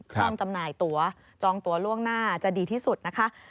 ต้องจำหน่ายตัวจองตัวล่วงหน้าจะดีที่สุดนะคะ